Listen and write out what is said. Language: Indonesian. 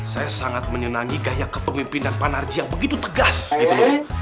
saya sangat menyenangi gaya kepemimpinan panarji yang begitu tegas gitu loh